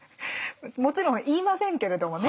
もちろん言いませんけれどもね。